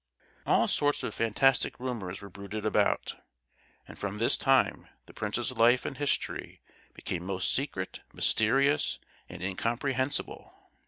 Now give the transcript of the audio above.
All sorts of fantastic rumours were bruited about, and from this time the prince's life and history became most secret, mysterious, and incomprehensible.